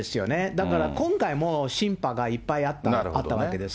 だから今回もシンパがいっぱいあったわけです。